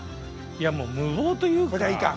いやもう無謀というか。